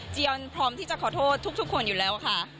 ออนพร้อมที่จะขอโทษทุกคนอยู่แล้วค่ะ